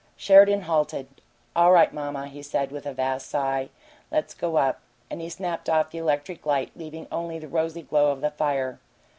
Sheridan halted. "All right, mamma," he said, with a vast sigh. "Let's go up." And he snapped off the electric light, leaving only the rosy glow of the fire.